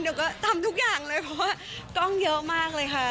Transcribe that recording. เดี๋ยวก็ทำทุกอย่างเลยเพราะว่ากล้องเยอะมากเลยค่ะ